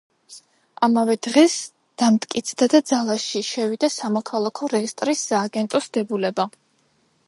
ამავე დღეს დამტკიცდა და ძალაში შევიდა სამოქალაქო რეესტრის სააგენტოს დებულება.